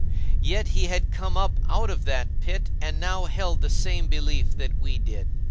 Yet he had come up out of that pit and now held the same belief that we did.